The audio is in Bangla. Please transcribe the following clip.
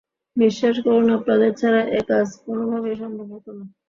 বিশ্বাস করুন, আপনাদের ছাড়া একাজ কোনোভাবেই সম্ভব হত না!